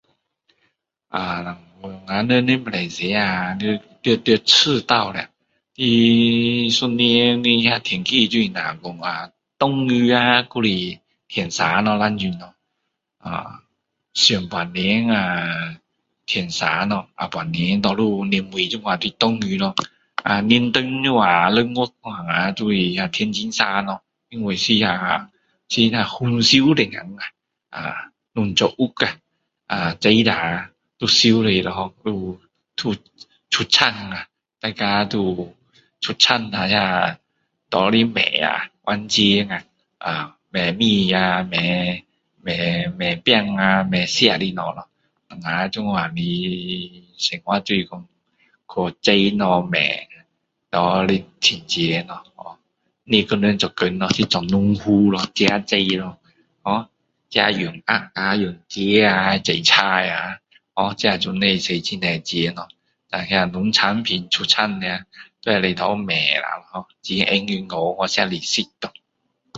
啊我们的马来西亚啊你要要要赤道的啊他一年的天气就是那说啊下雨啊还是天晴这样说咯啊上半年啊天晴咯下半年年尾都是下雨咯啊年中这样六月这样啊都是天很晴咯因为是那是那丰收的时候啊农作物啊种了都要收起来咯出产啊大家都有出产啊拿来卖啊换钱啊啊买米啊买饼啊买吃的东西咯我们这样的生活就是说去种东西来卖拿来赚钱咯ho不是跟人做工咯是做农夫咯自己种咯ho自己养鸭啊养鸡啊种菜啊ho这都不用花很多钱咯胆那农场品出产的啊都可以拿去卖啦钱拿去银行窝吃利息咯